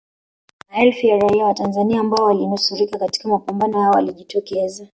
Maelfu ya raia wa Tanzania ambao walinusurika katika mapambano hayo walijitokeza